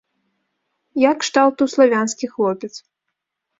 Я кшталту славянскі хлопец.